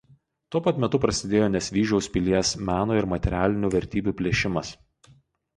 Tuo pat metu prasidėjo Nesvyžiaus pilies meno ir materialinių vertybių plėšimas.